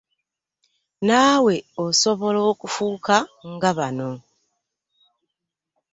Naawe osobola okufuuka nga banno.